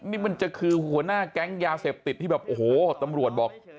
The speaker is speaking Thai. นี่มันจะคือหัวหน้าแก๊งยาเสพติดที่แบบโอ้โหตำรวจบอก